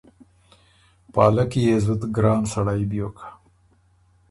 پالکي يې زُت ګران سړئ بیوک